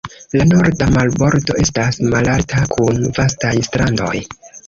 La norda marbordo estas malalta, kun vastaj strandoj.